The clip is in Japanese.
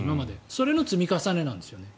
それの積み重ねなんですよね。